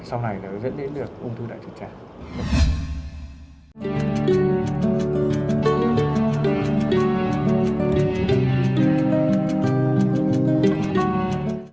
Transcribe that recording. sau này sẽ dẫn đến được công thức đại tràng